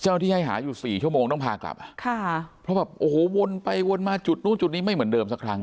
ที่ให้หาอยู่สี่ชั่วโมงต้องพากลับอ่ะค่ะเพราะแบบโอ้โหวนไปวนมาจุดนู้นจุดนี้ไม่เหมือนเดิมสักครั้ง